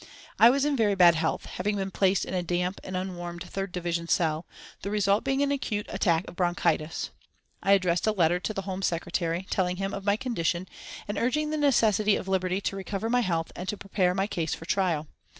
I was in very bad health, having been placed in a damp and unwarmed third division cell, the result being an acute attack of bronchitis. I addressed a letter to the Home Secretary, telling him of my condition, and urging the necessity of liberty to recover my health and to prepare my case for trial.